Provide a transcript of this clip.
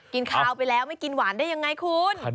กินข้าวไปแล้วไม่กินหวานได้ยังไงคุณ